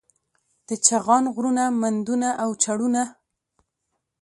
د چغان غرونه، مندونه او چړونه